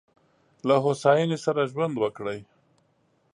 له هوساینې سره ژوند وکړئ.